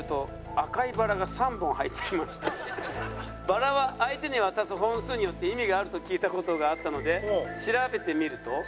バラは相手に渡す本数によって意味があると聞いた事があったので調べてみると３本は。